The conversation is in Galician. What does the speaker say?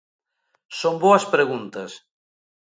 Son boas preguntas.